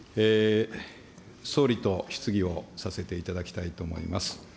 総理と質疑をさせていただきたいと思います。